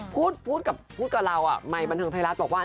พูดกับเราใหม่บันเทิงไทยรัฐบอกว่า